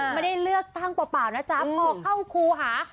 ไม่ได้เลือกตั้งเปล่านะจ๊ะพอเข้าครูหา